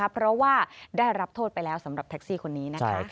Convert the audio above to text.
เพราะว่าได้รับโทษไปแล้วสำหรับแท็กซี่คนนี้นะคะ